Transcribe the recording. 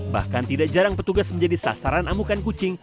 bahkan tidak jarang petugas menjadi sasaran amukan kucing